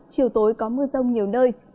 chiều tối có mưa rông nhiều nơi